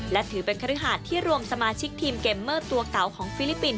และถือเป็นคฤหาสที่รวมสมาชิกทีมเกมเมอร์ตัวเก่าของฟิลิปปินส